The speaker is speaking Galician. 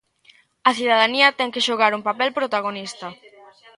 A cidadanía ten que xogar un papel protagonista.